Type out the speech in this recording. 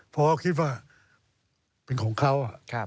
เพราะเขาคิดว่าเป็นของเขา